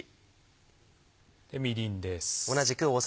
みりんです。